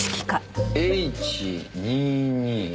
「Ｈ２２」。